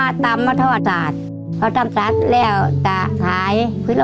หนูก็เสียใจค่ะที่ไม่มีพ่อมีแม่เหมือนเพื่อนค่ะ